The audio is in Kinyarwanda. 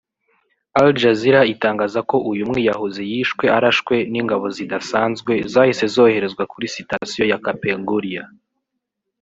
Al Jazeera itangaza ko uyu mwiyahuzi yishwe arashwe n’ingabo zidasanzwe zahise zoherezwa kuri sitasiyo ya Kapenguria